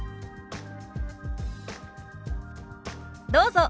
どうぞ。